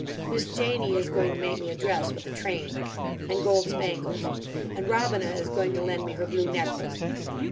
Miss Janie is going to make me a dress with a train. And gold spangles. And Robina is going to lend me her blue necklace.